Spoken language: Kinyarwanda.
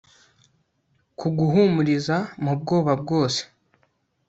kuguhumuriza mubwoba bwose